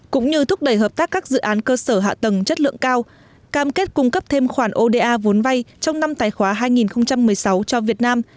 cũng như thúc đẩy hợp tác các dự án cơ sở hạ tầng chất lượng cao cam kết cung cấp thêm khoản oda vốn vay trong năm tài khoá hai nghìn một mươi sáu cho việt nam